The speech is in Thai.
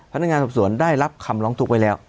พนักงานศัพท์สวนได้รับคำลองถูกไว้แล้ว